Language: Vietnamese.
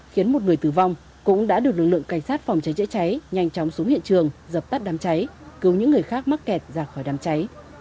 khiến một người tử vong cũng đã được lực lượng cảnh sát phòng cháy chữa cháy nhanh chóng xuống hiện trường dập tắt đám cháy cứu những người khác mắc kẹt ra khỏi đám cháy